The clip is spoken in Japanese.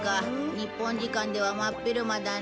日本時間では真っ昼間だね。